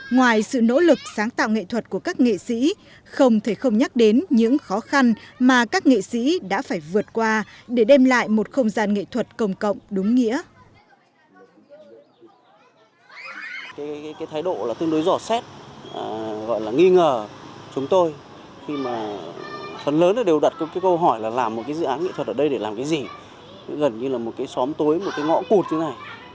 ngoài sự nỗ lực sáng tạo nghệ thuật của các nghệ sĩ không thể không nhắc đến những khó khăn mà các nghệ sĩ đã phải vượt qua để đem lại một không gian nghệ thuật công cộng đúng nghĩa